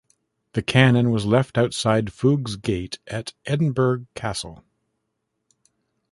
The cannon was left outside Foog's Gate at Edinburgh Castle.